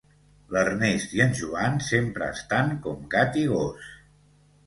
L'Ernest i en Joan sempre estan com gat i gos